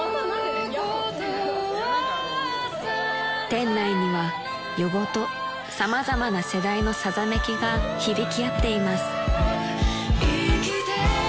［店内には夜ごと様々な世代のさざめきが響き合っています］